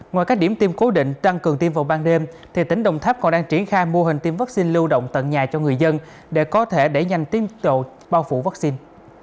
ngoài các điểm tiêm cố định tăng cường tiêm vào ban đêm tỉnh đồng tháp còn đang triển khai mô hình tiêm vaccine lưu động tận nhà cho người dân để có thể đẩy nhanh tiêm bao phủ vaccine